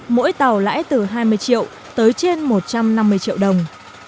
mỗi tàu lãi từ hai mươi triệu tới trên một trăm năm mươi triệu đồng